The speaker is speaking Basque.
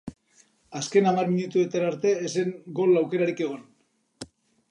Azken hamar minutuetara arte ez zen gol aukerarik egon.